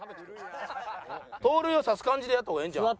盗塁を刺す感じでやった方がええんちゃう？